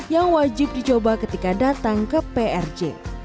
yang wajib dicoba ketika datang ke prj